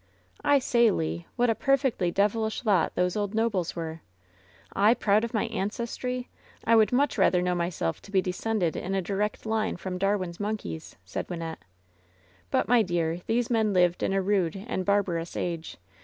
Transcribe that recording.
^'' "I say, Le, what a perfectly devilish lot those old nobles were ! I proud of my ancestry 1 I would much rather know myself to be descended in a direct line from Darwin's monkeys," said Wynnette. "But, my dear, these men lived in a rude and bar barous age.